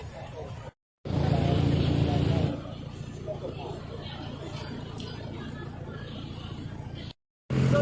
เมื่อ